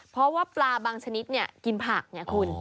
เพราะว่าปลาบางชนิดเนี่ยกินผักเนี่ยคุณ